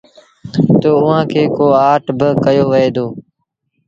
تا اُئآݩ کي ڪوآٽ با ڪهيو وهي دو۔